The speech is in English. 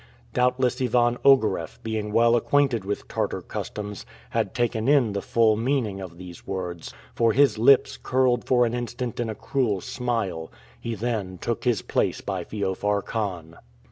Doubtless Ivan Ogareff, being well acquainted with Tartar customs, had taken in the full meaning of these words, for his lips curled for an instant in a cruel smile; he then took his place by Feofar Khan.